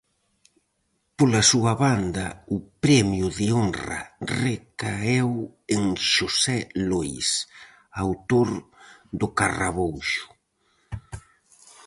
Pola súa banda, o premio de honra recaeu en Xosé Lois, autor do Carrabouxo.